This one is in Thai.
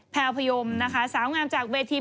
แพลวพยมนะคะสาวงามจากเวที